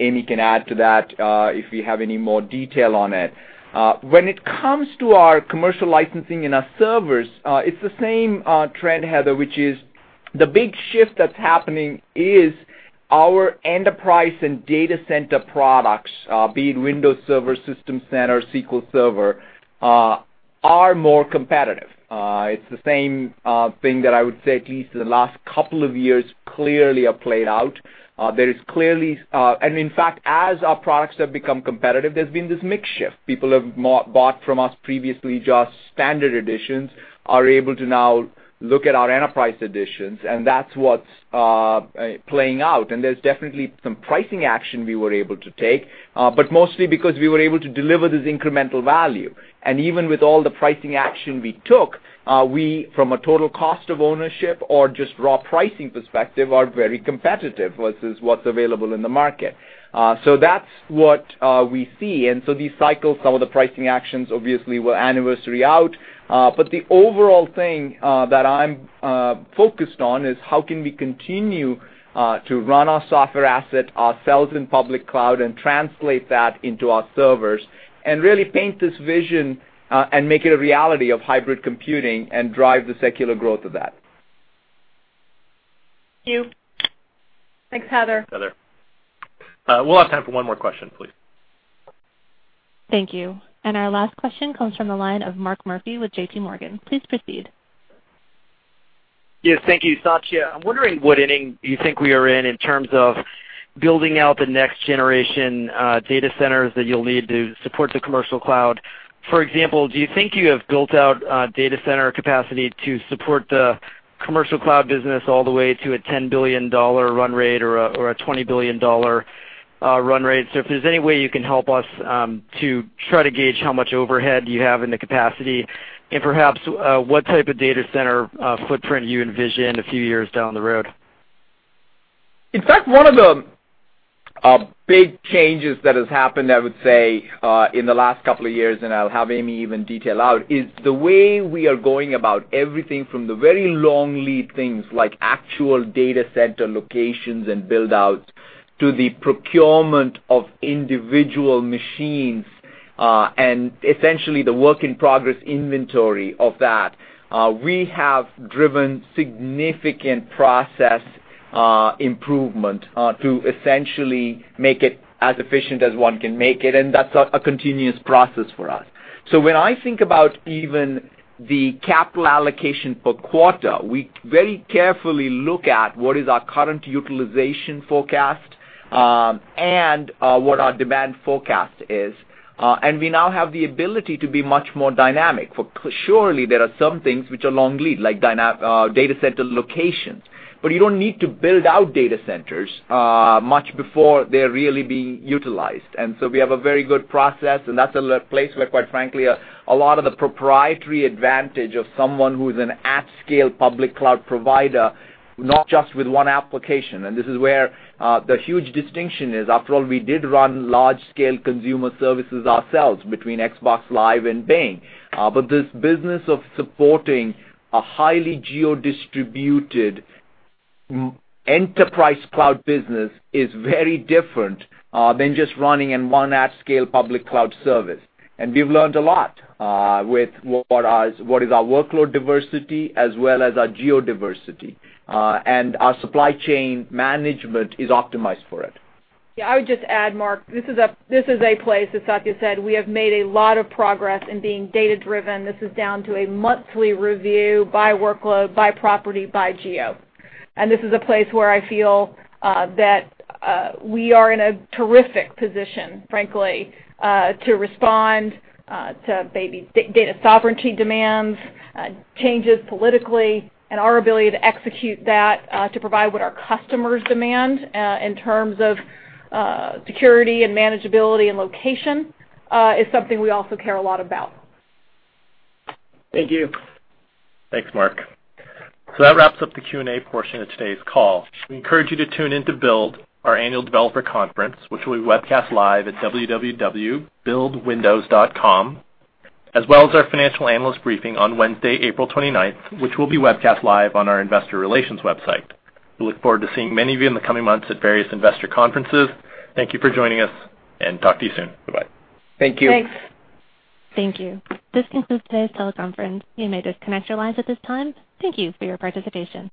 Amy can add to that if we have any more detail on it. When it comes to our commercial licensing in our servers, it's the same trend, Heather, which is the big shift that's happening is our enterprise and data center products, be it Windows Server, System Center, SQL Server, are more competitive. It's the same thing that I would say at least the last couple of years clearly have played out. In fact, as our products have become competitive, there's been this mix shift. People who have bought from us previously just standard editions are able to now look at our enterprise editions, and that's what's playing out. There's definitely some pricing action we were able to take. Mostly because we were able to deliver this incremental value. Even with all the pricing action we took, we, from a total cost of ownership or just raw pricing perspective, are very competitive versus what's available in the market. That's what we see. These cycles, some of the pricing actions obviously were anniversary out. The overall thing that I'm focused on is how can we continue to run our software asset ourselves in public cloud and translate that into our servers and really paint this vision and make it a reality of hybrid computing and drive the secular growth of that. Thank you. Thanks, Heather. Heather. We'll have time for one more question, please. Thank you. Our last question comes from the line of Mark Murphy with JP Morgan. Please proceed. Yes, thank you, Satya. I'm wondering what inning you think we are in terms of building out the next generation data centers that you'll need to support the commercial cloud. For example, do you think you have built out data center capacity to support the commercial cloud business all the way to a $10 billion run rate or a $20 billion run rate? If there's any way you can help us to try to gauge how much overhead you have in the capacity and perhaps what type of data center footprint you envision a few years down the road. In fact, one of the big changes that has happened, I would say, in the last couple of years, and I'll have Amy even detail out, is the way we are going about everything from the very long lead things like actual data center locations and build-outs to the procurement of individual machines, and essentially the work in progress inventory of that. We have driven significant process improvement to essentially make it as efficient as one can make it, and that's a continuous process for us. When I think about even the capital allocation per quarter, we very carefully look at what is our current utilization forecast and what our demand forecast is. We now have the ability to be much more dynamic, for surely there are some things which are long lead, like data center locations. You don't need to build out data centers much before they're really being utilized. We have a very good process, and that's a place where, quite frankly, a lot of the proprietary advantage of someone who is an at-scale public cloud provider, not just with one application, and this is where the huge distinction is. After all, we did run large-scale consumer services ourselves between Xbox Live and Bing. This business of supporting a highly geo-distributed enterprise cloud business is very different than just running in one at-scale public cloud service. We've learned a lot with what is our workload diversity as well as our geo-diversity. Our supply chain management is optimized for it. Yeah, I would just add, Mark, this is a place, as Satya said, we have made a lot of progress in being data-driven. This is down to a monthly review by workload, by property, by geo. This is a place where I feel that we are in a terrific position, frankly, to respond to maybe data sovereignty demands, changes politically, and our ability to execute that to provide what our customers demand in terms of security and manageability and location is something we also care a lot about. Thank you. Thanks, Mark. That wraps up the Q&A portion of today's call. We encourage you to tune in to Build, our annual developer conference, which will be webcast live at www.buildwindows.com, as well as our financial analyst briefing on Wednesday, April 29th, which will be webcast live on our investor relations website. We look forward to seeing many of you in the coming months at various investor conferences. Thank you for joining us, and talk to you soon. Bye-bye. Thank you. Thanks. Thank you. This concludes today's teleconference. You may disconnect your lines at this time. Thank you for your participation.